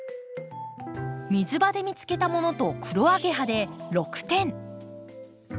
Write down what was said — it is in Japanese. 水場で見つけたものとクロアゲハで６点。